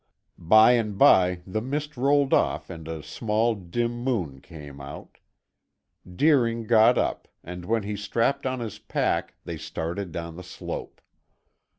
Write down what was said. By and by the mist rolled off and a small dim moon came out. Deering got up and when he strapped on his pack they started down the slope.